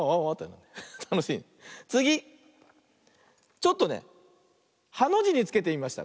ちょっとねハのじにつけてみました。